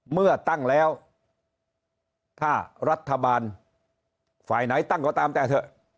เมื่อตั้งแล้วถ้ารัฐบาลฝ่ายไหนตั้งก็ตามแต่เถอะ